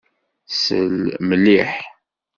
Sel mliḥ.